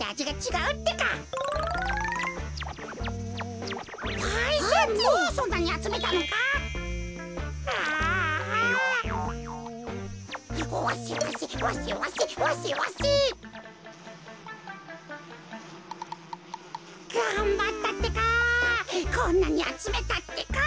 がんばったってか。